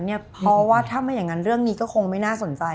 เพราะว่าถ้าไม่อย่างนั้นเรื่องนี้ก็คงไม่น่าสนใจ